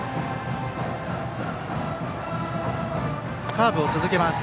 カーブを続けます。